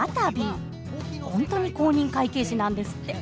本当に公認会計士なんですって。